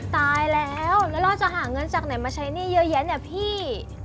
ตายแล้วแล้วเราจะหาเงินจากไหนมาใช้หนี้เยอะแยะเนี่ยพี่